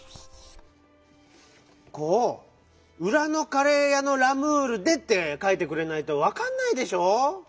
こう「うらのカレーやのラムールで」ってかいてくれないとわかんないでしょう？